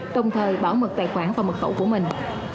đồng thời bảo mật tài khoản và mật khẩu của mình